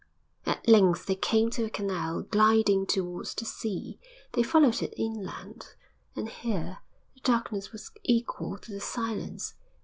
At length they came to a canal gliding towards the sea; they followed it inland, and here the darkness was equal to the silence.